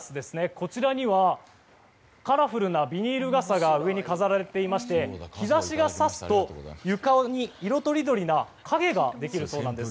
こちらにはカラフルなビニール傘が上に飾られていまして日差しがさすと床に色とりどりな影ができるそうなんです。